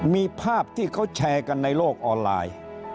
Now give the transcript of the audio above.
มีภาพที่เขาแชร์กันในโลกออนไลน์